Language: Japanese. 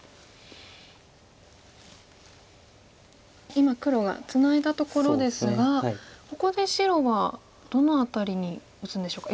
今黒がツナいだところですがここで白はどの辺りに打つんでしょうか。